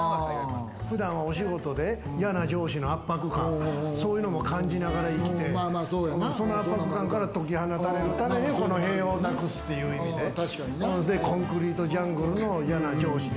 普段、お仕事で嫌な上司の圧迫感、そういうのも感じながら生きて、その圧迫感から解き放たれるために、この部屋をなくすっていう意味でコンクリートジャングルの嫌な上司に。